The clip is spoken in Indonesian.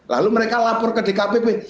lalu mereka lapor ke dkpp